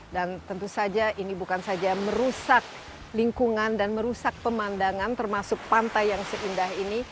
dan tentu saja ini bukan saja merusak lingkungan dan merusak pemandangan termasuk pantai yang seindah ini